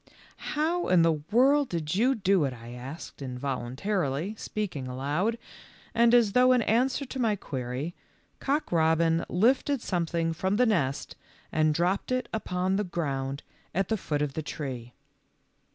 " How in the world did you do it? " I asked, involuntarily speaking aloud, and as though in answer to my query, Cock robin lifted some thing from the nest and dropped it upon the ground at the foot of the tree.